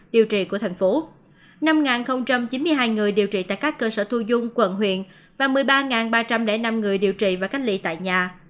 điều trị của thành phố năm chín mươi hai người điều trị tại các cơ sở thu dung quận huyện và một mươi ba ba trăm linh năm người điều trị và cách ly tại nhà